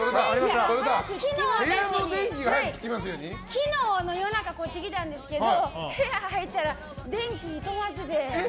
昨日の夜中こっち来たんですけど部屋入ったら、電気止まってて。